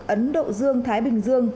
ấn độ dương thái bình dương